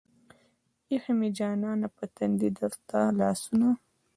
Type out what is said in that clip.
ايښې مې جانانه پۀ تندي درته لاسونه